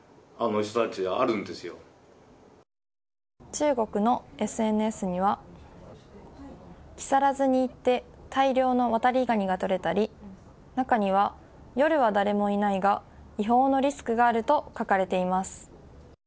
中国のＳＮＳには木更津に行って大量のワタリガニがとれたり中には、夜は誰もいないが違法のリスクがあると書かれています。